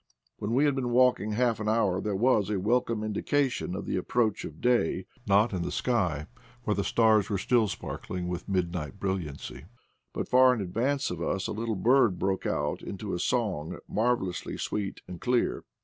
When we had been walking half an hour there was a welcome indication of the approach of day— not in the sky, where the stars were still sparkling with midnight brilliancy, but far in ad vance of us a little bird broke out into a song mar velously sweet and clear.